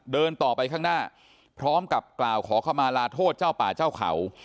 เดินต่อไปข้างหน้าพร้อมกับกล่าวขอเข้ามาลาโทษเจ้าป่าเจ้าเขา